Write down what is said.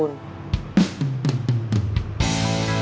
yang penting teteh udah tau